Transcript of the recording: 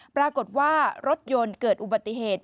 ปรากฏว่ารถยนต์เกิดอุบัติเหตุ